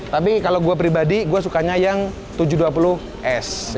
tapi kalau gue pribadi gue sukanya yang tujuh ratus dua puluh s